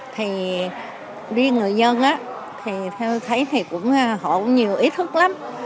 thì riêng người dân theo tôi thấy thì họ cũng nhiều ý thức lắm